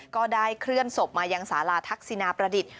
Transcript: ก็ได้เคลื่อนศพมายังสาราทักษินาประดิษฐ์